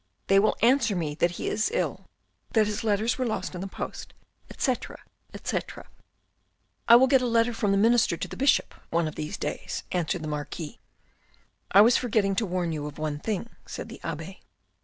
They will answer me that he is ill, that his letters were lost in the post, etc., etc." " I will get a letter from the minister to the Bishop, one of these days," answered the Marquis. " I was forgetting to warn you of one thing," said the abbe.